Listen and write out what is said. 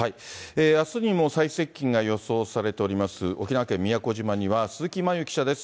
あすにも最接近が予想されております、沖縄県宮古島には鈴木まゆ記者です。